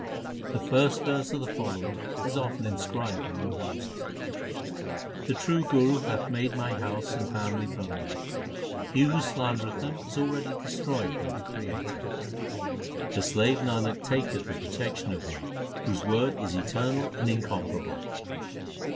The first verse of the following is often inscribed on new houses : The True Guru hath made my house and family permanent. He who slandereth them is already destroyed by the Creator. The slave Nanak taketh the protection of Him whose word is eternal and incomparable.